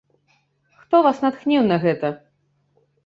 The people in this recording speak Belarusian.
Хто вас натхніў на гэта?